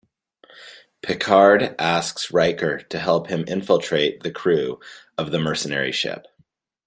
Picard asks Riker to help him infiltrate the crew of the mercenary ship.